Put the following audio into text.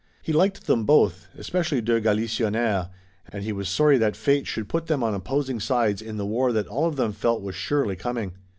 He liked them both, especially de Galisonnière, and he was sorry that fate should put them on opposing sides in the war that all of them felt was surely coming.